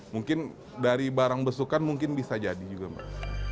mungkin dari barang besukan mungkin bisa jadi juga mbak